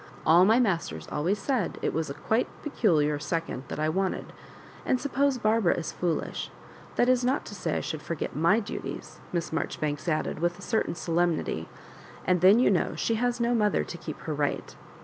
All my masters always said it was a quite peculiar second I wanted ; and suppose Barbara is foolish, that is not to say I should forget my duties," Miss Marjoribanks added, with a certain solemnity; "and then, you know, she has no mother to keep her right."